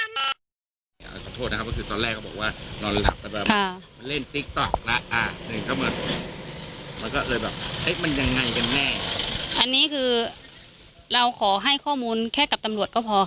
มันก็เลยแบบมันยังไงกันแน่อันนี้คือเราขอให้ข้อมูลแค่กับตำรวจก็พอค่ะ